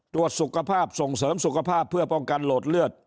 ตรวจสุขภาพส่งเสริมสุขภาพเพื่อป้องกันโหลดเลือด